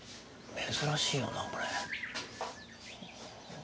珍しいよなこれ。